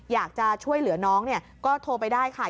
อยากจะช่วยเหลือน้องเนี่ยก็โทรไปได้ค่ะ